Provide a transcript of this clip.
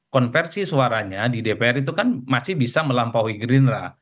konversi suaranya di dpr itu kan masih bisa melampaui gerindra